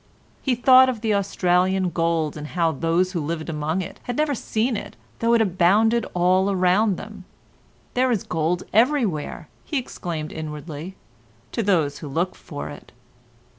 He thought of the Australian gold and how those who lived among it had never seen it though it abounded all around them: "There is gold everywhere," he exclaimed inwardly, "to those who look for it."